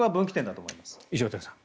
石渡さん。